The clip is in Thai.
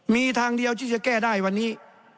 มีทางเดียวที่จะแก้ได้วันนี้